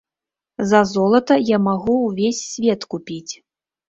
За золата я магу ўвесь свет купіць.